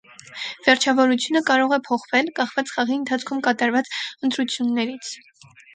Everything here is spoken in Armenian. Վերջավորությունը կարող է փոխվել՝ կախված խաղի ընթացքում կատարված ընտրություններից։